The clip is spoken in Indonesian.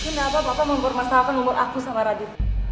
kenapa bapak mau membuat masalah ke umur aku sama radit